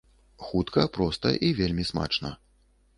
Хутка, проста і вельмі смачна!